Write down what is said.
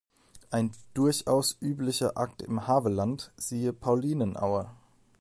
Ein durchaus üblicher Akt im Havelland, siehe Paulinenaue.